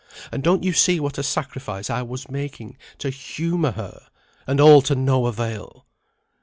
and don't you see what a sacrifice I was making to humour her? and all to no avail."